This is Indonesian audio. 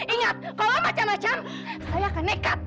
ingat kalau macam macam saya akan nekat